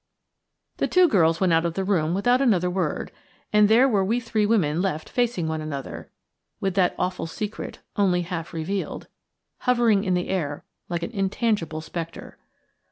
The two girls went out of the room without another word, and there were we three women left facing one another, with that awful secret, only half revealed, hovering in the air like an intangible spectre.